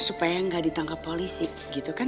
supaya nggak ditangkap polisi gitu kan